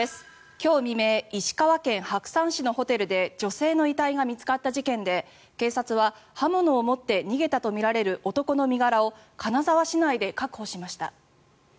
今日未明石川県白山市のホテルで女性の遺体が見つかった事件で警察は、刃物を持って逃げたとみられる男の身柄を金沢市内で確保しました。